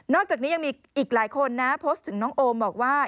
อกจากนี้ยังมีอีกหลายคนนะโพสต์ถึงน้องโอมบอกว่า